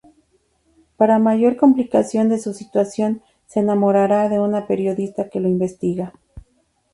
Para mayor complicación de su situación, se enamorará de una periodista que lo investiga.